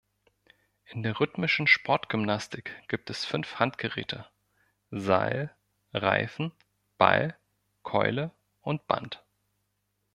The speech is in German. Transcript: In der Rhythmischen Sportgymnastik gibt es fünf Handgeräte: Seil, Reifen, Ball, Keule und Band.